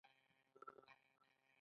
د سپارل شوو دندو تعقیب هم اړین دی.